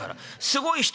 すごい人。